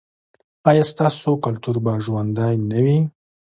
ایا ستاسو کلتور به ژوندی نه وي؟